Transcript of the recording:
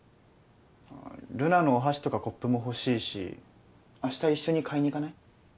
留奈のお箸とかコップも欲しいし明日一緒に買いに行かない？